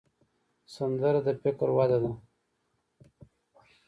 سندره د فکر وده ده